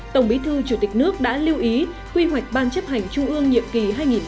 tổng bí thư chủ tịch nước đã lưu ý quy hoạch ban chấp hành trung ương nhiệm kỳ hai nghìn hai mươi một hai nghìn hai mươi năm